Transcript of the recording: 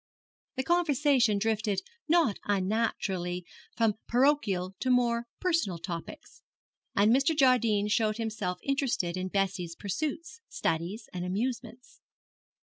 The conversation drifted not unnaturally from parochial to more personal topics, and Mr. Jardine showed himself interested in Bessie's pursuits, studies, and amusements.